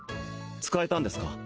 使えたんですか？